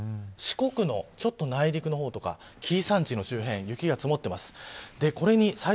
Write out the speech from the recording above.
四国の内陸の方とか紀伊山地の周辺雪が積もっています。